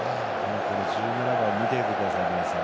１７番、見ていてください皆さん。